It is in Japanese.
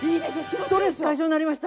ストレス解消になりました。